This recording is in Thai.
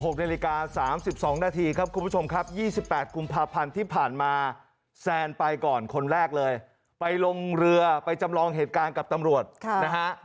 นาฬิกา๓๒นาทีครับคุณผู้ชมครับ๒๘กุมภาพันธ์ที่ผ่านมาแซนไปก่อนคนแรกเลยไปลงเรือไปจำลองเหตุการณ์กับตำรวจนะฮะ